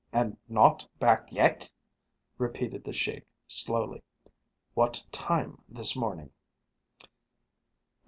and not back yet?" repeated the Sheik slowly. "What time this morning?"